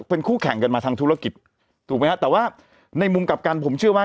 เป็นคู่แข่งกันมาทางธุรกิจถูกไหมฮะแต่ว่าในมุมกลับกันผมเชื่อว่า